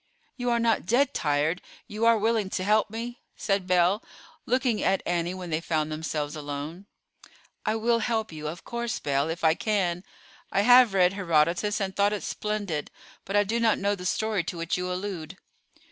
"You are not dead tired? You are willing to help me?" said Belle, looking at Annie when they found themselves alone. "I will help you of course, Belle, if I can. I have read Herodotus, and thought it splendid; but I do not know the story to which you allude."